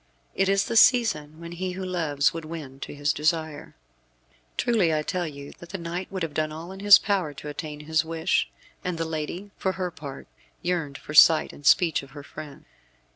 It is the season when he who loves would win to his desire. Truly I tell you that the knight would have done all in his power to attain his wish, and the lady, for her part, yearned for sight and speech of her friend.